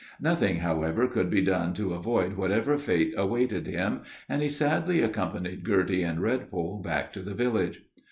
Nothing, however, could be done, to avoid whatever fate awaited him, and he sadly accompanied Girty and Redpole back to the village.